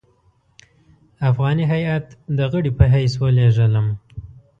افغاني هیات د غړي په حیث ولېږلم.